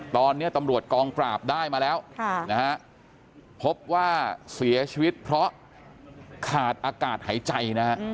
ตอนนี้ตำรวจกองปราบได้มาแล้วนะฮะพบว่าเสียชีวิตเพราะขาดอากาศหายใจนะฮะ